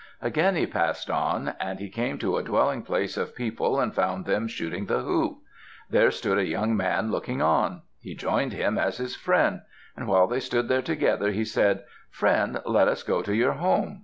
Again he passed on. And he came to a dwelling place of people and found them shooting the hoop. There stood a young man looking on. He joined him as his friend. While they stood there together, he said: "Friend, let us go to your home."